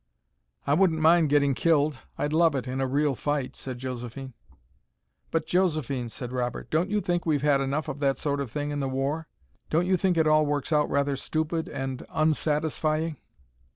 "I wouldn't mind getting killed. I'd love it, in a real fight," said Josephine. "But, Josephine," said Robert, "don't you think we've had enough of that sort of thing in the war? Don't you think it all works out rather stupid and unsatisfying?"